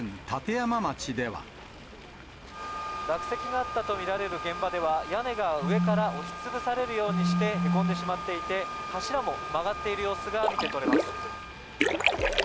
落石があったと見られる現場では、屋根が上から押しつぶされるようにしてへこんでしまっていて、柱も曲がっている様子が見て取れます。